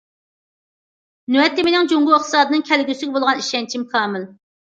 نۆۋەتتە مېنىڭ جۇڭگو ئىقتىسادىنىڭ كەلگۈسىگە بولغان ئىشەنچىم كامىل.